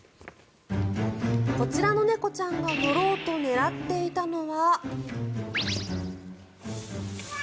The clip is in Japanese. こちらの猫ちゃんが乗ろうと狙っていたのは。